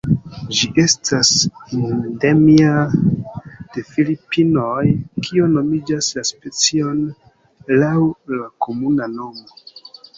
Ĝi estas endemia de Filipinoj, kio nomigas la specion laŭ la komuna nomo.